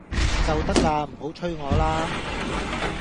就得啦，唔好催我啦！